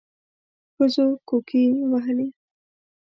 ښځو کوکي وهلې.